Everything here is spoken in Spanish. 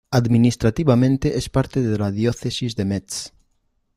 Administrativamente es parte de la Diócesis de Metz.